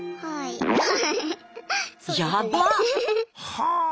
はあ！